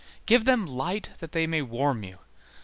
Give them light that they may warm you.